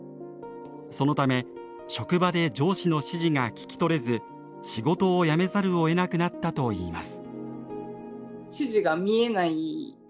そのため職場で上司の指示が聞き取れず仕事を辞めざるをえなくなったといいます。